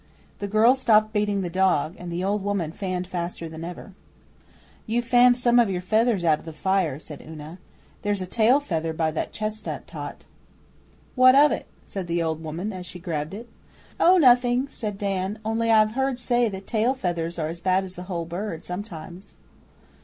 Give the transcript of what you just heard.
The girl stopped beating the dog, and the old woman fanned faster than ever. 'You've fanned some of your feathers out of the fire,' said Una. 'There's a tail feather by that chestnut tot.' 'What of it?' said the old woman, as she grabbed it. 'Oh, nothing!' said Dan. 'Only I've heard say that tail feathers are as bad as the whole bird, sometimes.